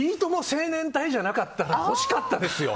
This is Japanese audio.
青年隊じゃなかったら欲しかったですよ。